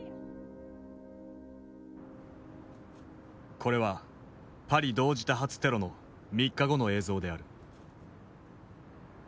これはパリ同時多発テロの３日後の映像である。